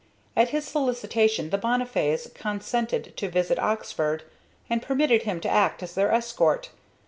At his solicitation the Bonnifays consented to visit Oxford, and permitted him to act as their escort.